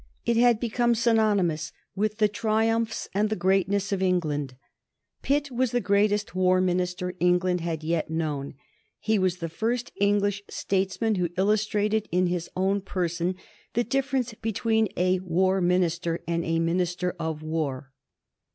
It had become synonymous with the triumphs and the greatness of England. Pitt was the greatest War Minister England had yet known. He was the first English statesman who illustrated in his own person the difference between a War Minister and a Minister of War.